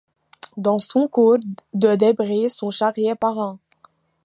Dans son cours, de débris sont charriés par an.